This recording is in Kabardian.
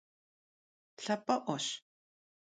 Lhap'e'ueş.